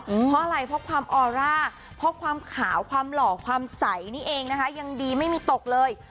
เพราะอะไรเพราะความออร่าเพราะความขาวความหล่อความใสนี่เองนะคะยังดีไม่มีตกเลย